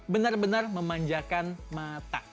benar benar memanjakan mata